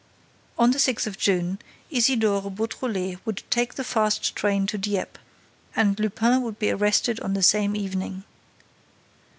On the sixth of June, Isidore Beautrelet would take the fast train to Dieppe: and Lupin would be arrested on the same evening.